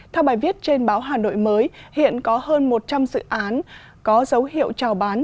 theo bài viết trên báo hà nội mới hiện có hơn một trăm linh dự án có dấu hiệu trào bán